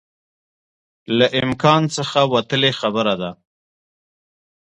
له امکان څخه وتلی خبره ده